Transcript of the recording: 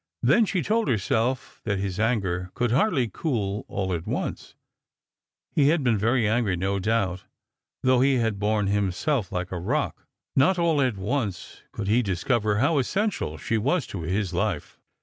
Then she told herself that his anger could hardly cool all at once ; he had been very angry, no doubt, though he had borne himself like a rock. Not aU at once could he discover how essential she was to his life.